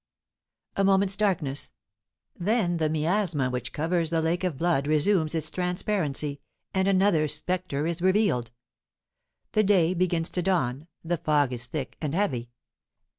A moment's darkness, then the miasma which covers the lake of blood resumes its transparency, and another spectre is revealed. The day begins to dawn, the fog is thick and heavy.